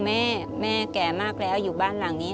แม่แม่แก่มากแล้วอยู่บ้านหลังนี้